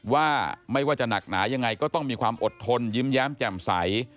ว่าไม่ว่าจะหนักหนายังไงก็ต้องมีความอดทนยิ้มแย้มแจ่มใส